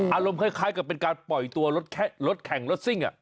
อารมณ์คล้ายกับเป็นการปล่อยตัวรถแข่งรถซิ่ง